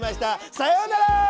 さようなら！